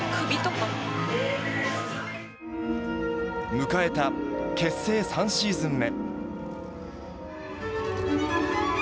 迎えた結成３シーズン目。